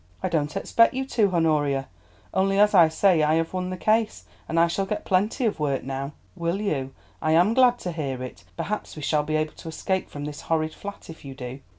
"I don't expect you to, Honoria; only, as I say, I have won the case, and I shall get plenty of work now." "Will you? I am glad to hear it; perhaps we shall be able to escape from this horrid flat if you do.